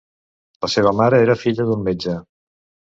La seva mare era filla d'un metge.